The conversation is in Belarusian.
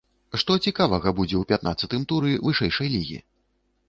Што цікавага будзе ў пятнаццатым туры вышэйшай лігі?